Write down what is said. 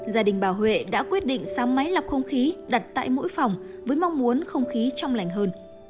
gia đình bà huệ đã quyết định xóng máy lọc không khí đặt tại mỗi phòng với mong muốn không khí trong lành hơn